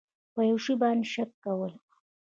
په یو شي باندې شک کول